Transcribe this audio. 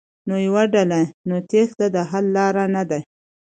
نه يوه ډله ،نو تېښته د حل لاره نه ده.